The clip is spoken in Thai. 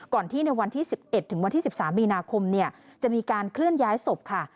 ก่อนที่ในวันที่๑๑ถึงวันที่๑๓มีนาคมจะมีการเคลื่อนย้ายศพค่ะ